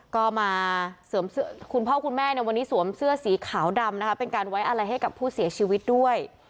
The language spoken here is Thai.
คุณพ่อคุณแม่สวมเสื้อสีขาวดำเป็นการไว้อะไรให้กับผู้เสียชีวิตด้วย